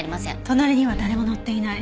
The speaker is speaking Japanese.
隣には誰も乗っていない。